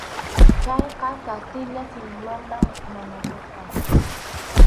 Chayqa kastilla simimanta mañakusqa.